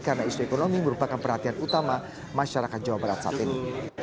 karena isu ekonomi merupakan perhatian utama masyarakat jawa barat saat ini